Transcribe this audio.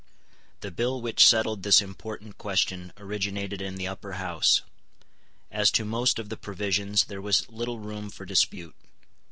The bill which settled this important question originated in the Upper House. As to most of the provisions there was little room for dispute.